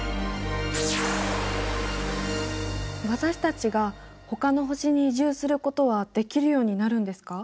私たちがほかの星に移住することはできるようになるんですか？